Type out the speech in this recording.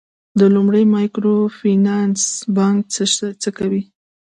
د لومړي مایکرو فینانس بانک څه کوي؟